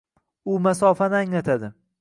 U masofani anglatadi